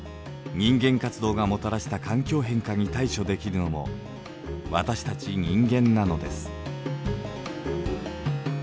人間活動がもたらした環境変化に対処できるのも私たち人間なのです。